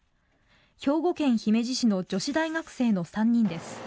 兵庫県姫路市の女子大学生の３人です。